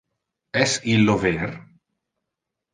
Es illo ver?